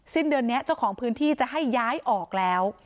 สิ้นเดือนนี้เจ้าของพื้นที่จะให้ย้ายออกแล้ว